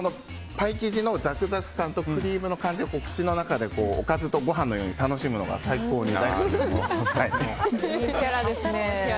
パイ生地のザクザク感とクリームの感じを口の中で、おかずとご飯のように楽しむのが最高に大好きです。